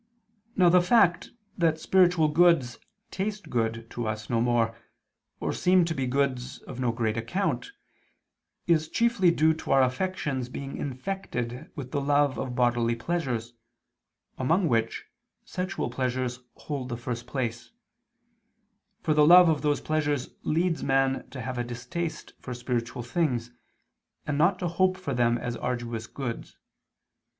Now, the fact that spiritual goods taste good to us no more, or seem to be goods of no great account, is chiefly due to our affections being infected with the love of bodily pleasures, among which, sexual pleasures hold the first place: for the love of those pleasures leads man to have a distaste for spiritual things, and not to hope for them as arduous goods.